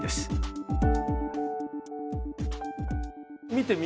見てみ。